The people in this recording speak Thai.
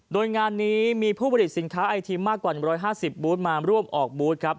โดยงานนี้มีผู้ผลิตสินค้าไอทีมมากกว่า๑๕๐บูธมาร่วมออกบูธครับ